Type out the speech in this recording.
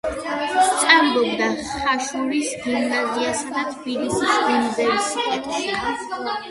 სწავლობდა ხაშურის გიმნაზიასა და თბილისის უნივერსიტეტში.